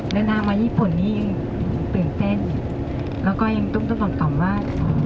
เดินทางมาญี่ปุ่นนี่ยังตื่นเต้นแล้วก็ยังตุ้มต่อมว่า